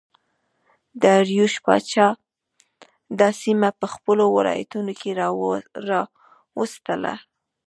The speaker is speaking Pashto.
داریوش پاچا دا سیمه په خپلو ولایتونو کې راوستله